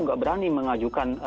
tidak berani mengajukan